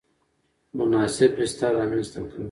مناسب بستر رامنځته کړ.